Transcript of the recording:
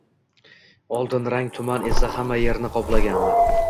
Oltinrang tuman esa hamma yerni qoplagandi.